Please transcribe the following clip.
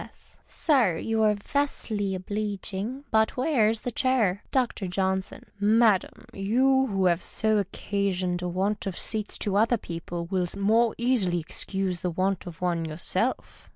S.— Sir, you are vastly oblecging, but where's the chair ? Dr. Johnson. — Madam, you wlio have so often occasioned a want of seats to other people, will the more easily excuse the want of one yourself.